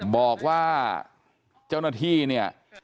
บอกว่าเจ้าหน้าที่เนี่ย